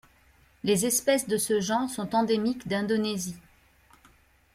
Les espèces de ce genre sont endémiques d'Indonésie.